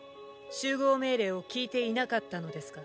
集合命令を聞いていなかったのですか。